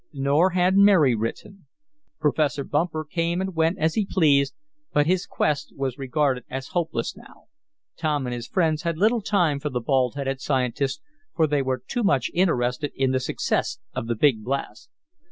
Nor had Mary written. Professor Bumper came and went as he pleased, but his quest was regarded as hopeless now. Tom and his friends had little time for the bald headed scientist, for they were too much interested in the success of the big blast.